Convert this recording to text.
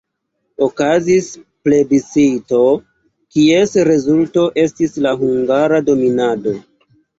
Okazis plebiscito, kies rezulto estis la hungara dominado.